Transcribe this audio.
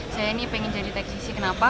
saya ini pengen jadi teknisi kenapa